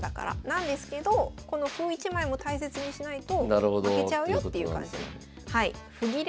なんですけどこの歩一枚も大切にしないと負けちゃうよっていう感じの。ということなんですね。